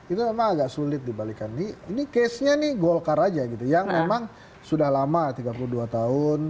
itu memang agak sulit dibalikan nih ini case nya nih golkar aja gitu yang memang sudah lama tiga puluh dua tahun